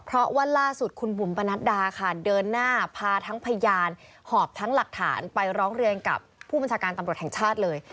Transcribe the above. เพราะว่าล่าสุดคุณบุ๋มปนัดดาค่ะเดินหน้าพาทั้งพยานหอบทั้งหลักฐานไปร้องเรียนกับผู้บัญชาการตำรวจแห่งชาติเลย